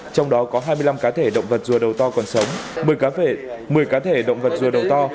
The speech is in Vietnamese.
trong đó có hai mươi năm cá thể động vật rùa đầu to còn sống một mươi cá thể động vật rùa đầu to